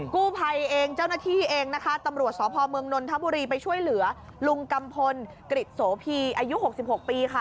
กู้ภัยเองเจ้าหน้าที่เองนะคะตำรวจสพเมืองนนทบุรีไปช่วยเหลือลุงกัมพลกริจโสพีอายุ๖๖ปีค่ะ